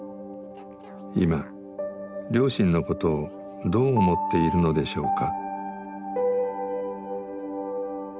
今両親のことをどう思っているのでしょうか？